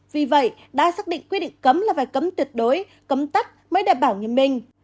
vì vậy đã xác định quy định cấm là phải cấm tuyệt đối cấm tất mới đảm bảo nghiêm minh